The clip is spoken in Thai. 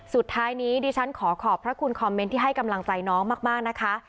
สุดท้ายนี้ดิฉันขอขอบพระคุณคอมเมนต์ที่ให้กำลังใจน้องมากนะคะ